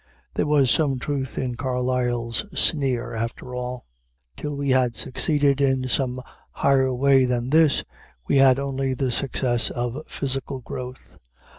There was some truth in Carlyle's sneer, after all. Till we had succeeded in some higher way than this, we had only the success of physical growth.